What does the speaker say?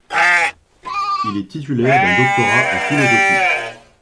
Il est titulaire d'un doctorat en philosophie.